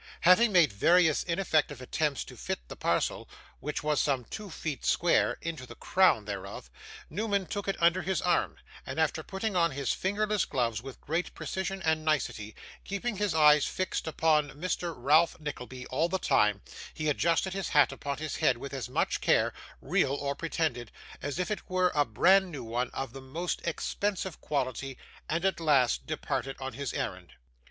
Having made various ineffective attempts to fit the parcel (which was some two feet square) into the crown thereof, Newman took it under his arm, and after putting on his fingerless gloves with great precision and nicety, keeping his eyes fixed upon Mr. Ralph Nickleby all the time, he adjusted his hat upon his head with as much care, real or pretended, as if it were a bran new one of the most expensive quality, and at last departed on his errand.